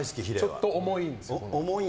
ちょっと重いんですよね。